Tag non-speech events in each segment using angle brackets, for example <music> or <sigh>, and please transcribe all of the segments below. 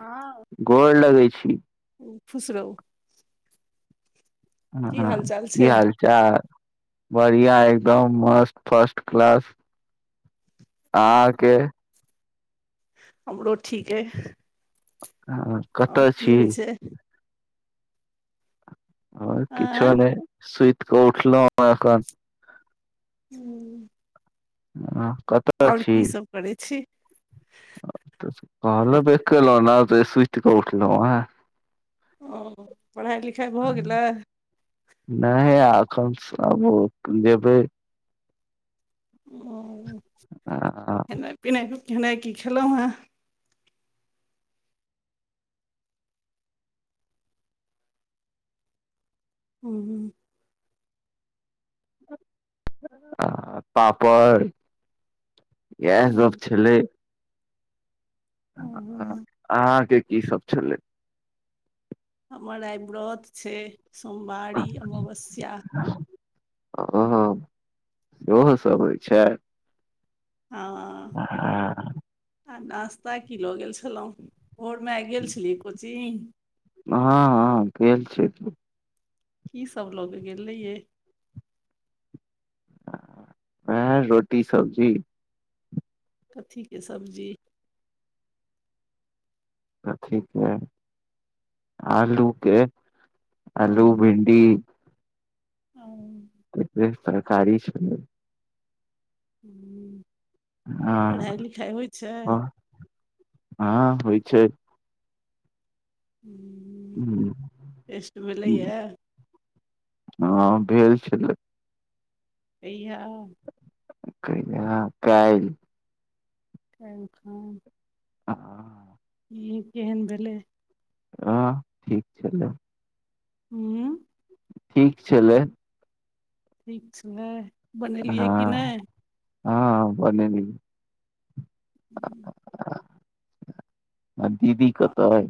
ह गोर लगैत छी खूश रहू की हाल चाल कि छै हाल चाल बढ़िया एकदम मस्त फर्स्ट क्लास अहाँकेँ हमरो ठीक आइ हँ। ओर कि होइ छै आर किछु आँय नै सुत कऽ उठल एन हू हू। हूँ कतय छी की सब करै छी आप कहलो बेर कहलो सुत क उठलो ह ओ पढ़ाइ लिखाइ भऽ गेलै। नै आइ एखन से भोर जेबै ओ खेना पिना खेनाह कि खेलु ह हूँ आ पापड़ इएह हूँ सभ छलै आ अहाँकेँ कि सभ छलै हमर आइ व्रत छै सोमवारी अमावस्या। ऊ इहोसभ होइ छै हँ आ नास्ता कि लऽ गेल छलहुँ भोर मे गेल छली कोचिंग ह ह गेल छैथ ओ कि सभ लऽ कऽ गेलिये अ ऐय रोटी सब्जी कथी के सब्जी कथी के आलू के ओ आलू भिडी उ भैर पेट तरकारी छैलहूँ हू हँ पढ़ाइ लिखाइ होइ छै। हँ होइ छै। हूँ हूँ हूँ हँ भेल छलैय एईया। कहिया कैल। जाय छै अ ई केहन भेलै। ए ठीक छलै हूँ ठीक छलै। किछ ने एह हू बनेलिये हू दीदी कतऽ ऐअ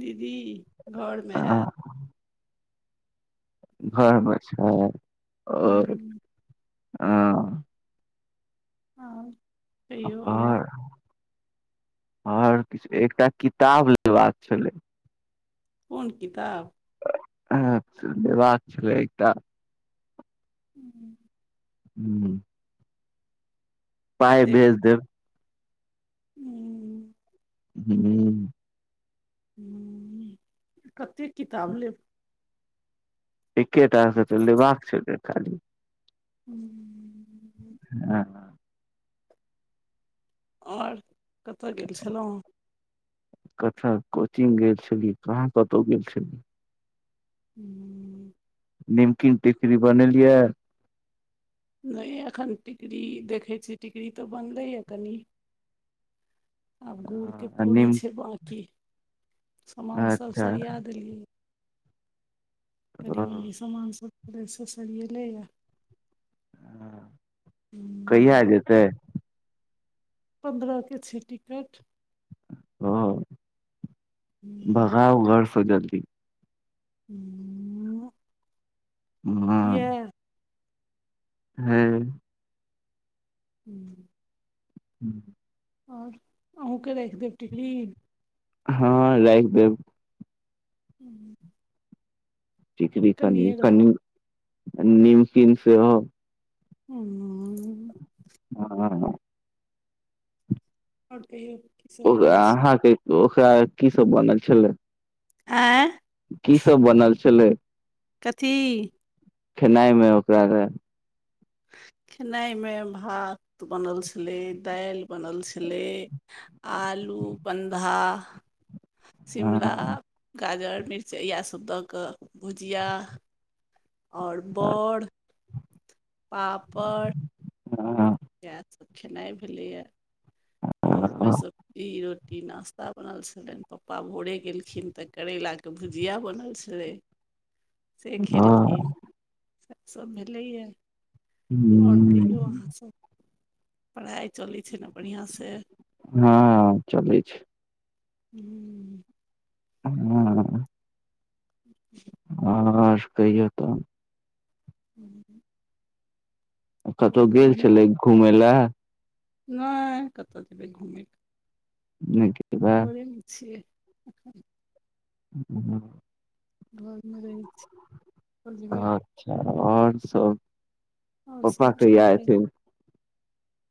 दीदी घरमे होत आ, घर मे छै आओर हूँ हँ। आओर आओर किछु एकटा किताब लेबा कऽ छलै कोन किताब। हैत लेबाक छलै एकटा हूँ ह पाइ भेज देब। ह ह कतेक किताब लेब एकेटा से तऽ लेबा कऽ छलै खाली हूँ। हँ हँ। आओर कतहु गेल छलहुँ। कत कोचिग गेल छली कहाँ कतौ गेल छलियै ह निम किन टिकरी बनेलियै नहि एखन टिकड़री देखैत छीयै टिकड़ी त बनलैए कनि आब गुड़के आ पूरी निम छै बाकि सामान सभ अच्छा सरिया देलियै कनि ओ म समान सभ वैह सभ सरिएलैए कहिया जेतै। पन्द्रह के छै टिकट ओ भगाउ घरसे जल्दी हूँ हूँ हूँ हँ। हूँ। हूँ। आओर अहूँके राखि देब टिफि हँ राखि देब। हूँ उ टिकरी कनिए कनिए नीमकिन सेहो ऊं <inaudible> हँ और <unintelligible> किछ ओ अहाँके कि ओकरा की सब बनल छलै ऐ की सब बनल छलै कथी खेनाइ मे ओकरा आरके खेनाइमे भात बनल छलै दाल बनल छलै आलू बन्धा शिमला गाजर मिर्चाइ सभ द क भुजिया आओर बड़ पापड़ हँ इएह सब खेनाइ भेलैए है भोरमे ईरोट <unintelligible> की नश्ता बनल छलनि पप्पा भोरे गेलखिन तऽ करैलाके भुजिया बनल छलै से खेलखिन से सभ भेलैए आओर कहियौ अहाँ सब पढ़ाइ चलै छै ने बढ़िआँ से हँ चलै छै हू हँ जी अओर कहियौ तऽ हूँ कतहु गेल छलै घुमय लए नहि कतय जेबै घुमय नहि <unintelligible> घरेमे छियै ह घर मे रहै छी जेबै अच्छा आओर सब आओर पप्पा सब कहि ठीक अइ आएथि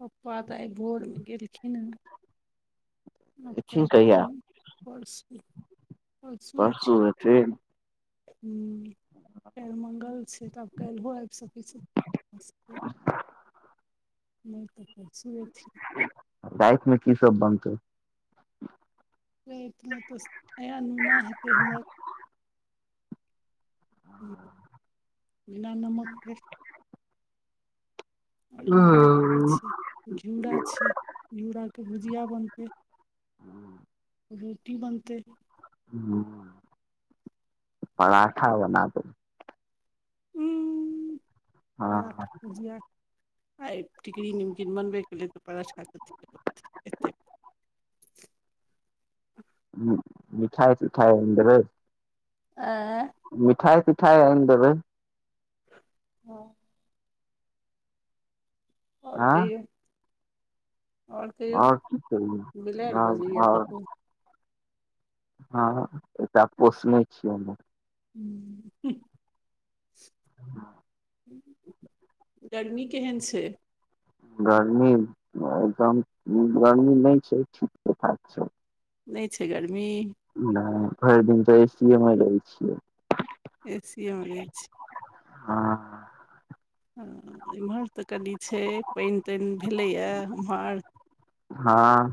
पप्पा तऽ आइ भोरमे गेलखिन हेँ आ एथिन कहिया कलखन परसू परसू अथिन हँ काल्हि मंगल छै तऽ आब काल्हिहो आबि सकै छै नहि त क राइतमे की सब बनते रेट मे तऽ नया नुना हेतै हमर बिना नमक के आओर इमहर देखे छिय घिउरा छै घिउरा के भुजिया बनपे रोटी बनते पराठा बनते <unintelligible> हँ पराठा भुजिया आ टिकी निमकन बनबै त पत <unintelligible> हूं मीठाई तीठाई आइन देबै आ मिठाइ तिठाइ आइन देबै हँ आओर आँ कहियौ आओर कहियौ की करियै बिलाइर बजैया आओर आओर कतौ हँ एकटा पोसने छियै हममे हूँ गर्मी केहन छै गर्मी एकदम गर्मी नहि छै ठीके ठाक छै नहि छै गर्मी नय भरि दिन तऽ एसीए मे रहै छियै ए सी ए मे रहै छि हँ इम्हर तऽ कनि छै पानि तानि भेलैया उम्हर हँ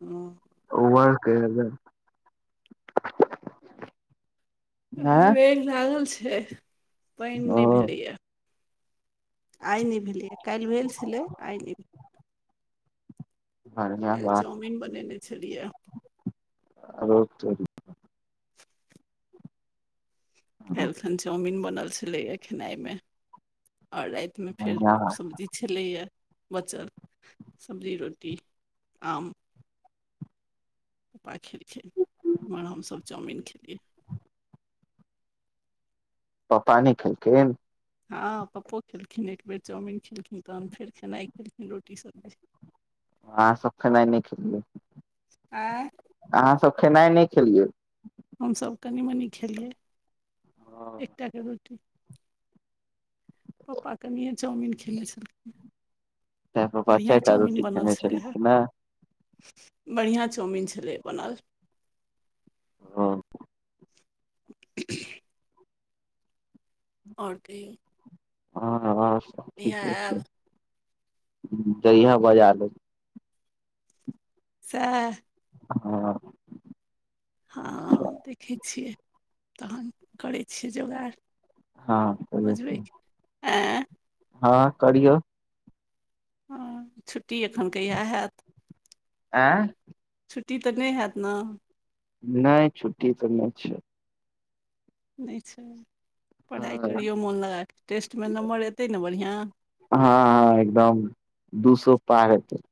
ओ ओमहर केहन यै रेर लागल छै पानि ओ नय भेलैया आइ नहि भेलियै काल्हि भेल छलै आइ नहि भेल बढ़िया काइल बात चाउमीन बनेने छलिया आरौ तोरी <inaudible> काईल खन चाउमिन बनल छलैया खेनाइ मे आओर राति मे फेर बढ़िया बात सब्जी छलैया बचल सब्जी रोटी आम <unintelligible> इम्हर हमसभ चाउमीन खेलियै पप्पा नै खेलखिन हँ पप्पो खेलखिन एक बेेर चाउमिन खेलखिन तहन फेर खेनाइ खेलखिन रोटी सब्जी अहाँ सब खेनाइ नै खेलियै आँय अहाँ सब खेनाइ नै खेलियै हम सभ कनि मनि खेलियै ओ एक टा के रोटी पप्पा कनिये चाउमिन खेलै छलखिन्हे तैं पप्पा बढ़िआँ चारि टा चाउमीन रोटी बनल खेने छलै हए छलखिन हें बढ़िआँ चाउमीन छलै बनल ह आओर कहि हँ हँ सब ठीके छै आयब जहिया बजा लै सेह ह हँ देखै छियै तहन करै छियै जोगाड़ हँ कहियौ बुझबि एं हँ करियौन हँ छुट्टी एखन कैहा हेऽत आँ छुट्टी तऽ नहि हैत न नहि छुट्टी तऽ नहि छै। नहि छै पढ़ाइ हँ करियौ मोन लगत टेस्टमे नम्बर एतै ने बढ़िआ ह ह एकदम दूसो पार हेतै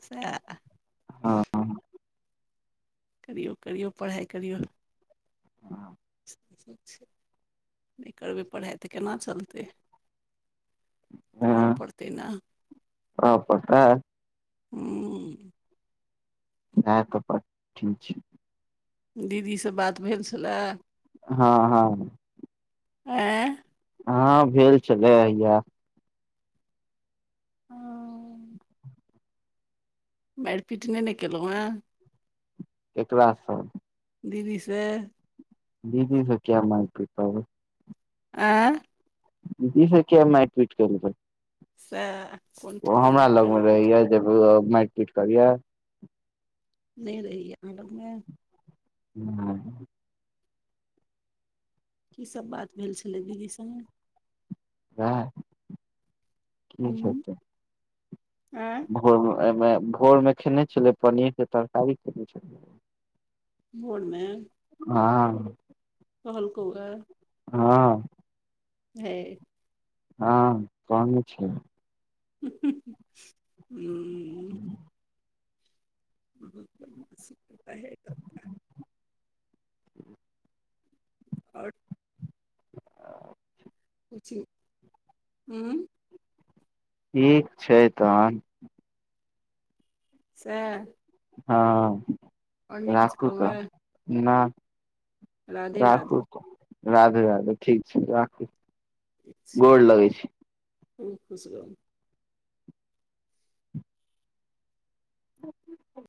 स ह ह करि करि पढ़ाइ करियौ ठीक छै नहि करबै पढ़ाइ तऽ केना चलतै पढ़ पड़त ना आ प <unintelligible> हूँ। हेत ठीक छै दीदीसँ बात भेल छलै। हँ हँ। आ ह भेल छलै हया ह। मारि पीट नहि ने केलहुँ हे एकटासँ दीदी से दीदी से किया मार पीता आ दीदी से किया मर पित केरके से ह ओ हमरा लग मे रहैया ज मरि पीट करिय नहि रहहि अहाँ लग मे ह कि सभ बात भेल छलै दीदी संगे ह ह आ भोर मे भोर मे खेने छलै पनीर के तरकारी खेने छलै बोर मे ह कहलको हा हँ। ह। हँ काहने छै। हूँ बसता हैं ओ छै उच्च हँ ठीक छै तहन। सेह हँ किछु राखू तऽ कहबै ने। राधे राखू राधे राधे राधे ठीक छै राख गोर लगै छै। ओह ब